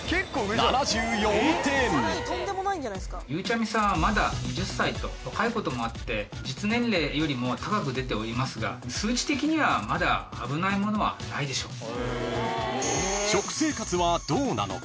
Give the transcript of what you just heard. ゆうちゃみさんはまだ２０歳と若いこともあって実年齢よりも高く出ておりますが数値的にはまだ危ないものはないでしょう。